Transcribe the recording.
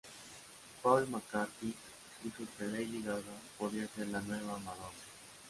Paul McCartney dijo que Lady Gaga podría ser la nueva Madonna.